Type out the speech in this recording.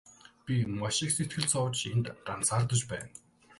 Би маш их сэтгэл зовж энд ганцаардаж байна.